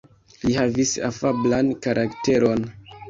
Li havis afablan karakteron.